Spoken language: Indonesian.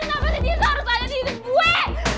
kamu adalah anak satu satunya